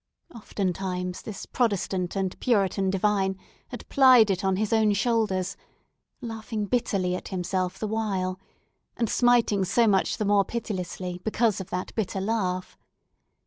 Oftentimes, this Protestant and Puritan divine had plied it on his own shoulders, laughing bitterly at himself the while, and smiting so much the more pitilessly because of that bitter laugh.